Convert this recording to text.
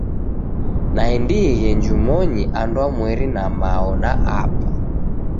Naendieghe njumonyi andwamweri na mao na aba.